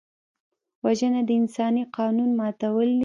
وژنه د انساني قانون ماتول دي